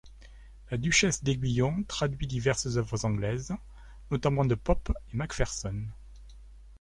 La duchesse d'Aiguillon traduit diverses œuvres anglaises, notamment de Pope et Macpherson.